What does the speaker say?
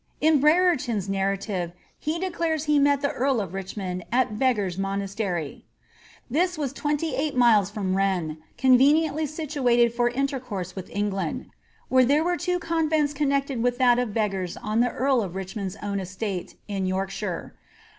In Brere* ton^s narrative he declares he met the earl of Richmond at Begai^s mo* nastcry ; this was twenty eight miles from Rennes, conveniently situated for intercourse with England, where there were two convents connected with that of Regards on the earl of Richmond's own estate in Yorkshire.